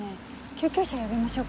救急車呼びましょうか。